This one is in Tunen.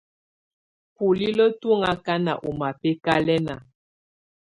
Bulilǝ́ tù ɔŋ akana ɔ mabɛkalɛna.